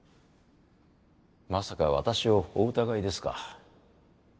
まさか私をお疑いですか？